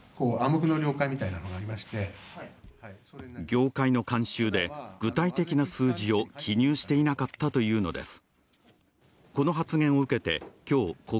業界の慣習で具体的な数字を記入していなかったというのです。